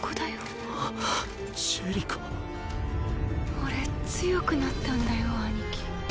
俺強くなったんだよ兄貴。